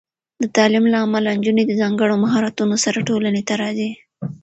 د تعلیم له امله، نجونې د ځانګړو مهارتونو سره ټولنې ته راځي.